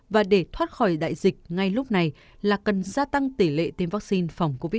và để thoát khỏi đại dịch ngay lúc này là cần gia tăng tỷ lệ tiêm vaccine phòng covid một mươi chín